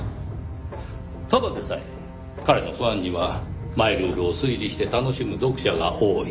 ただでさえ彼のファンにはマイルールを推理して楽しむ読者が多い。